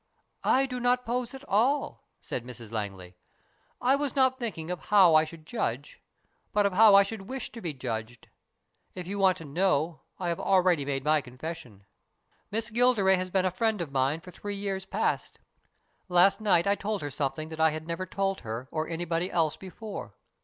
" I do not pose at all," said Mrs Langley. " I was not thinking of how I should judge, but of how I should wish to be judged. If you want to know, I have already made my confession. Miss Gilderay has been a friend of mine for three years past. Last night I told her something that I had never told her or anybody else before.